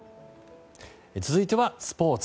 続いてはスポーツ。